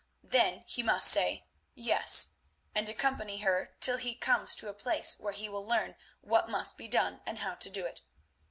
Then he must say 'Yes,' and accompany her till he comes to a place where he will learn what must be done and how to do it.